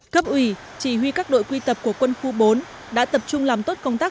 cấp ủy chỉ huy các đội quy tập của quân khu bốn đã tập trung làm tốt công tác